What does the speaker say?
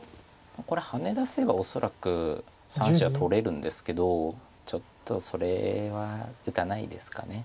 これハネ出せば恐らく３子は取れるんですけどちょっとそれは打たないですか。